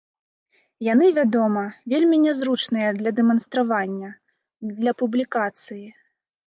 Яны, вядома, вельмі нязручныя для дэманстравання, для публікацыі.